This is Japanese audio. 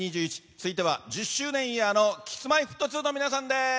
続いては１０周年イヤーのＫｉｓ‐Ｍｙ‐Ｆｔ２の皆さんです。